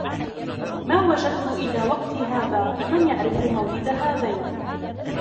مَا وَجَدْت إلَى وَقْتِي هَذَا مَنْ يَعْرِفُ مَوْلِدَ هَذَيْنِ